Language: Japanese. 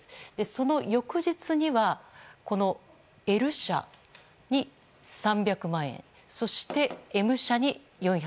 その翌日には、Ｌ社に３００万円そしてＭ社に４００万円。